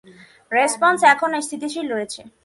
Response এখনো স্থিতিশীল রয়েছে।